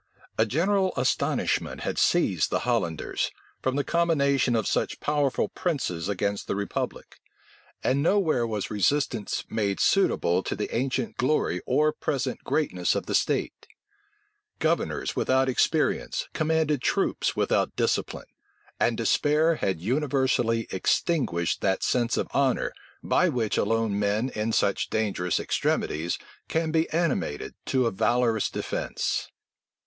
A general astonishment had seized the Hollanders, from the combination of such powerful princes against the republic; and nowhere was resistance made suitable to the ancient glory or present greatness of the state. Governors without experience commanded troops without discipline; and despair had universally extinguished that sense of honor, by which alone men in such dangerous extremities can be animated to a valorous defence.